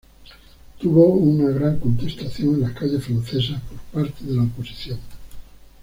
Tuvo una gran contestación en las calles francesas por parte de la oposición.